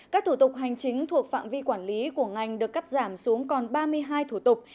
các thủ tục hành chính thuộc phạm vi quản lý của ngành được cắt giảm xuống còn ba mươi hai thủ tục